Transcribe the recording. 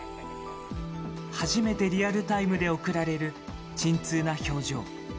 初めてリアルタイムで送られる沈痛な表情。